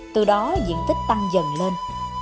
từ đó diện tích tăng dần lên